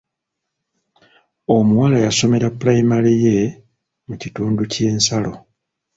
Omuwala yasomera pulayimale ye mu kitundu ky'ensalo.